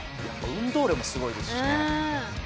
運動量もすごいですしね。